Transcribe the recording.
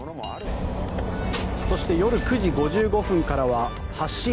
そして夜９時５５分からは「発進！